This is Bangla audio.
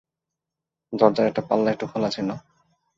দরজার একটা পাল্লা একটু খোলা ছিল।